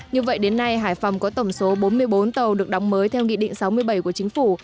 như vậy đến nay hải phòng có tổng số bốn mươi bốn tàu được đóng mới theo nghị định sáu mươi bảy của chính phủ